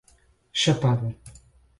Chapada